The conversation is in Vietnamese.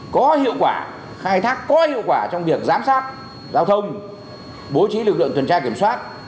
có hiệu quả khai thác có hiệu quả trong việc giám sát giao thông bố trí lực lượng tuần tra kiểm soát